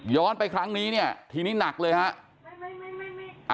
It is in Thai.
ย้อนไปครั้งนี้ทีนี้หนักเลยฮะ